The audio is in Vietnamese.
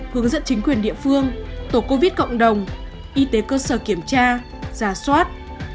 hướng dẫn chính quyền địa phương tổ covid cộng đồng y tế cơ sở kiểm tra giả soát